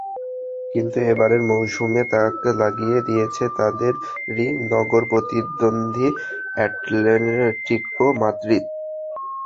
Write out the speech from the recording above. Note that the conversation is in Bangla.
কিন্তু এবারের মৌসুমে তাক লাগিয়ে দিয়েছে তাদেরই নগর প্রতিদ্বন্দ্বী অ্যাটলেটিকো মাদ্রিদ।